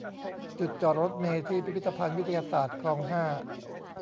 จุดจอดรถเมล์ที่ พิพิธภัณฑ์วิทยาศาสตร์ คลอง ห้า